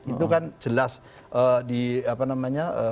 itu kan jelas di apa namanya